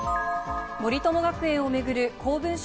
森友学園を巡る公文書